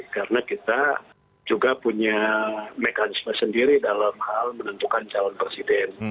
karena kita juga punya mekanisme sendiri dalam hal menentukan calon presiden